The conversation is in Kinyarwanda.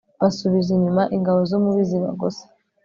basubiza inyuma ingabo zumubi zibagose